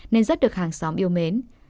nên rất được hàng xóm yêu mến